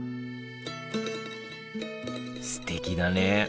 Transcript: すてきだね。